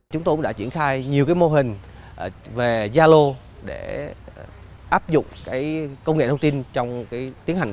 chúng tôi đã triển khai nhiều mô hình về gia lô để áp dụng công nghệ thông tin trong tiến hành